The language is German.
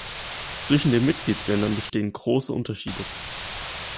Zwischen den Mitgliedsländern bestehen große Unterschiede.